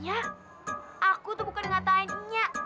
nya aku tuh bukan di ngatain nya